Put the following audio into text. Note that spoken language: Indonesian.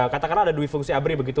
katakanlah ada dwi fungsi abri begitu